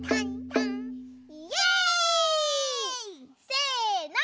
せの。